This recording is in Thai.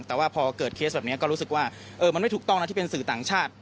แต่ว่าพอเกิดเคสแบบนี้ก็รู้สึกว่ามันไม่ถูกต้องนะที่เป็นสื่อต่างชาติ